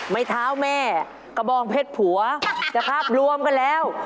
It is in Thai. ไม้เท้าแม่กระบองเพชรผัวนะครับรวมกันแล้ว